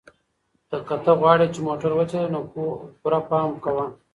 که ته غواړې چې موټر وچلوې نو پوره پام کوه.